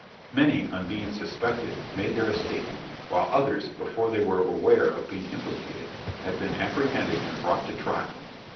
Many, on being suspected, made their escape: while others, before they were aware of being implicated, have been apprehended and brought to trial.